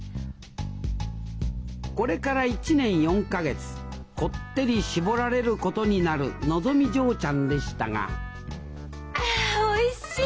これから１年４か月こってり絞られることになるのぞみ嬢ちゃんでしたがあおいしい！